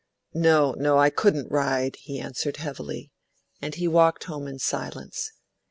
"No, no; I couldn't ride," he answered heavily, and he walked home in silence.